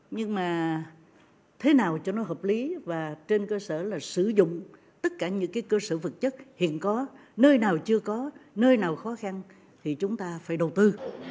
nhưng mà thế nào cho nó hợp lý và trên cơ sở là sử dụng tất cả những cái cơ sở vật chất hiện có nơi nào chưa có nơi nào khó khăn thì chúng ta phải đầu tư